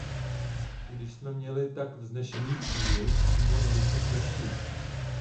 Kdy jsme měli tak vznešený cíl přímo na dosah ruky?